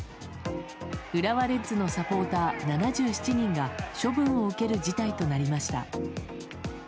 浦和レッズのサポーター７７人が処分を受ける事態となりました。